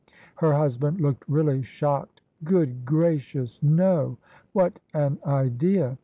Her husband looked really shocked. " Grood gracious, no : what an idea!